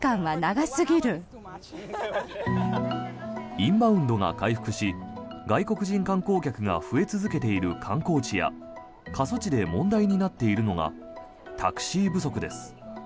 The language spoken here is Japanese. インバウンドが回復し外国人観光客が増え続けている観光地や過疎地で問題になっているのがタクシー不足です。